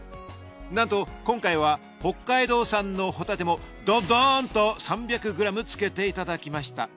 なんと今回は北海道産のホタテもドドーンと３００ｇつけていただきました。